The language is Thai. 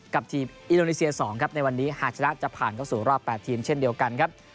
กับทีมอินโดนีเซีย๒ครับในวันนี้หากชนะจะผ่านเข้าสู่รอบ๘ทีมเช่นเดียวกันครับ